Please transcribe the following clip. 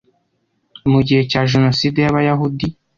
Mu gihe cyaJenoside y’abayahudi